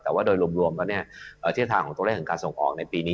แต่ว่าโดยรวมแล้วทิศทางของตัวเลขของการส่งออกในปีนี้